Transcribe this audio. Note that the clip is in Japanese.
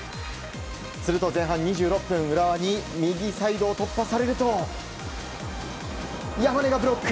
すると前半２６分浦和に右サイドを突破されると山根がブロック。